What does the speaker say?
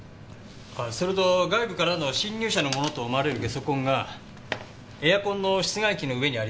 それと外部からの侵入者のものと思われるゲソ痕がエアコンの室外機の上にありました。